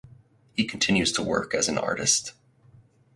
He continues to work as an artist.